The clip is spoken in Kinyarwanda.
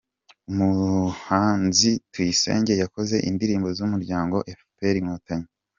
Umuhanzi Tuyisenge yakoze indirimbo z’umuryango efuperi Inkotanyi